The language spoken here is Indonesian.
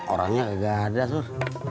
orangnya ga ada sur